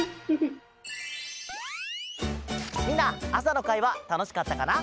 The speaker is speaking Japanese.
みんなあさのかいはたのしかったかな？